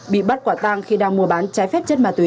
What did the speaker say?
bị bắt quả tang khi đang mua bán trái phép chất ma túy